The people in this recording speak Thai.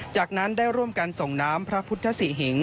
จากนั้นได้ร่วมกันส่งน้ำพระพุทธศรีหิง